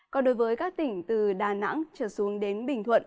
còn đối với các tỉnh từ đà nẵng trở xuống đến bình thuận